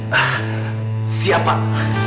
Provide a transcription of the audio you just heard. hah siap pak